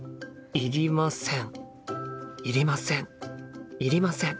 いりません。